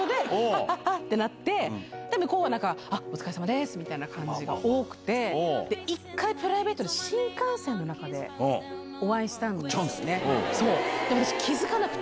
あっあっあってなって、で、向こうはなんか、お疲れさまですみたいな感じが多くて、一回、プライベートで新幹線の中でお会いしたんですよね。